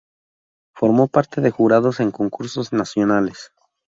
Formó parte de jurados en concursos nacionales.